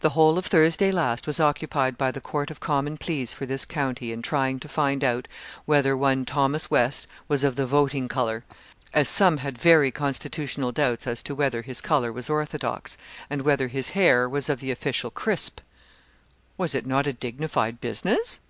"The whole of Thursday last was occupied by the Court of Common Pleas for this county in trying to find out whether one Thomas West was of the VOTING COLOUR, as some had very constitutional doubts as to whether his colour was orthodox, and whether his hair was of the official crisp! Was it not a dignified business?